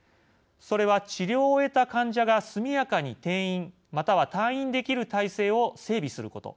それは治療を終えた患者が速やかに転院または退院できる体制を整備すること。